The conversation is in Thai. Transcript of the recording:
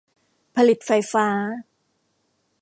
ผลิตไฟฟ้า